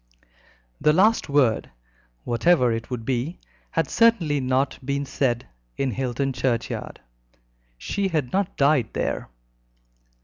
The last word whatever it would be had certainly not been said in Hilton churchyard. She had not died there.